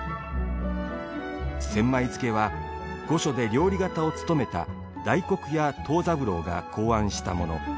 千枚漬は御所で料理方を務めた大黒屋藤三郎が考案したもの。